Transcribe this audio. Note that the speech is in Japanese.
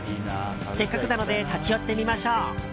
せっかくなので立ち寄ってみましょう。